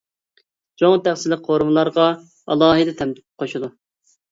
چوڭ تەخسىلىك قورۇمىلارغا ئالاھىدە تەم قوشىدۇ.